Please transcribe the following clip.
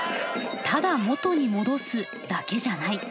ただ元に戻すだけじゃない。